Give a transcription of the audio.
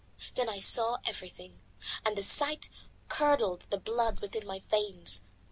Then I saw everything, and the sight curdled the blood within my veins.